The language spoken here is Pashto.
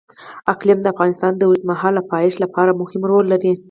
اقلیم د افغانستان د اوږدمهاله پایښت لپاره مهم رول لري.